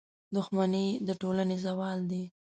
• دښمني د ټولنې زوال دی.